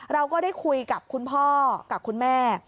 เราก็ได้คุยกับคุณพ่อกับคุณแม่